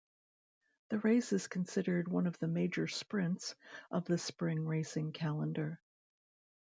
The race is considered one of the major sprints of the spring racing calendar.